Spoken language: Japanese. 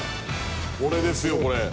これですよこれ。